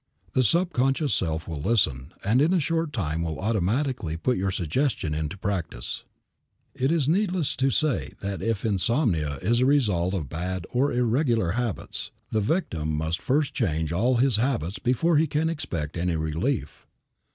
The subconscious self will listen and in a short time will automatically put your suggestion into practice. It is needless to say that if insomnia is a result of bad or irregular habits, the victim must first of all change his habits before he can expect any relief.